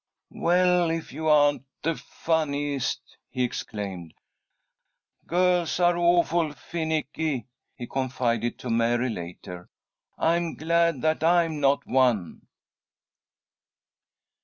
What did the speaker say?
"Well, if you aren't the funniest!" he exclaimed. "Girls are awful finicky," he confided to Mary later. "I'm glad that I'm not one."